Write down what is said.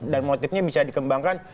dan motifnya bisa dikembangkan